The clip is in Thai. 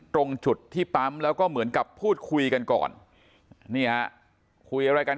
ตรงจุดที่ปั๊มแล้วก็เหมือนกับพูดคุยกันก่อนนี่ฮะคุยอะไรกัน